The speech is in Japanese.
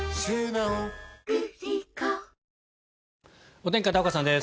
お天気、片岡さんです。